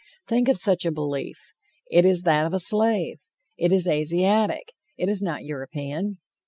Think of such a belief! It is that of a slave. It is Asiatic; it is not European.